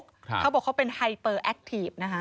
เขาบอกเขาเป็นไฮเปอร์แอคทีฟนะคะ